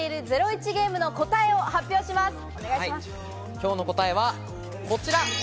今日の答えはこちら。